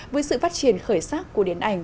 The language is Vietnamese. với sự phát triển khởi sắc của điện ảnh